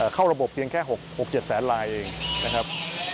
เข้าระบบเพียงแค่๖๗แสนลายเองนะครับ